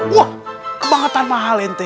wah kebangetan mahal ya kamu